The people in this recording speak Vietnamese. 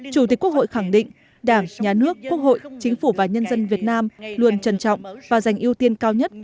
chủ tịch quốc hội khẳng định đảng nhà nước quốc hội chính phủ và nhân dân việt nam luôn trân trọng và dành ưu tiên cao nhất